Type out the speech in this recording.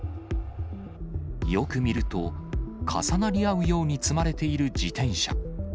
よく見ると、重なり合うように積まれている自転車。